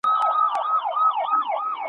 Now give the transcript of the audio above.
¬ غر و غره ته نه رسېږي، سړى و سړي ته رسېږي.